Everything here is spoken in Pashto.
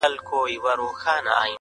o ستا په ډېرو ښایستو کي لویه خدایه,